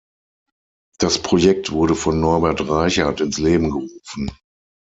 Das Projekt wurde von Norbert Reichart ins Leben gerufen.